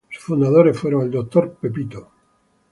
Sus fundadores fueron el Dr.